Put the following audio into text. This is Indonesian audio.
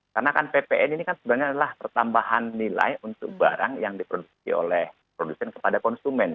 karena kan ppn ini kan sebenarnya adalah pertambahan nilai untuk barang yang diproduksi oleh produsen kepada konsumen